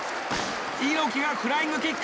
猪木がフライングキック！